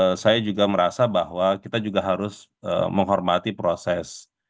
yang kedua saya juga merasa bahwa kita juga harus menghormati proses yang sangat penting